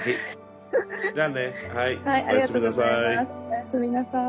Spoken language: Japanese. おやすみなさい。